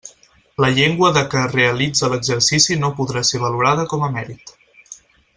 La llengua de què es realitze l'exercici no podrà ser valorada com a mèrit.